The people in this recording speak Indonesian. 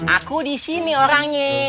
aku di sini orangnya